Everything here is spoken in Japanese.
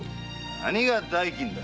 何が「代金」だ！